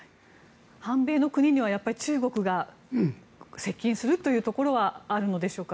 反米の国にはやはり中国が接近するというところはあるのでしょうか？